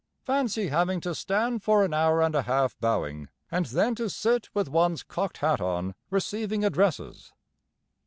Fancy having to stand for an hour and a half bowing, and then to sit with one's cocked hat on, receiving addresses.'